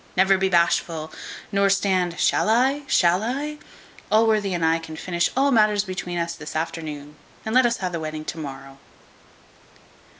Never be bashful, nor stand shall I, shall I? Allworthy and I can finish all matters between us this afternoon, and let us ha' the wedding to morrow."